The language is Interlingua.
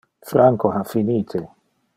Franco ha finite.